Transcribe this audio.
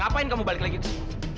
ngapain kamu balik lagi ke sini